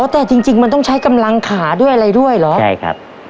แต่จริงจริงมันต้องใช้กำลังขาด้วยอะไรด้วยเหรอใช่ครับ